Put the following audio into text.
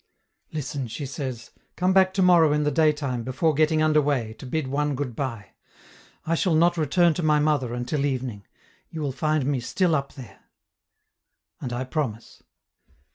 "Listen!" she says, "come back to morrow in the daytime, before getting under way, to bid one good by; I shall not return to my mother until evening; you will find me still up there." And I promise.